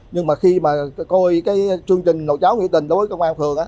nhưng mà khi mà coi chương trình nồi cháo nghỉ tình đối với công an phường